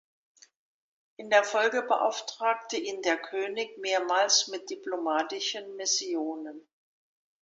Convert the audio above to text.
In der Folge beauftragte ihn der König mehrmals mit diplomatischen Missionen.